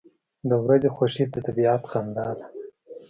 • د ورځې خوښي د طبیعت خندا ده.